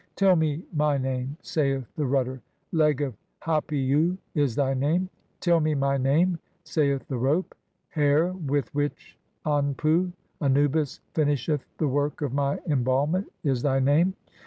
"Tell me my name," (11) saith the Rudder; "Leg of Hapiu" is thy name. "Tell me my name," saith the (12) Rope ; "Hair with which "Anpu (Anubis) finisheth the work of my embalmment" is thy name.